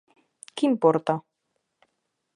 ¿Que importa?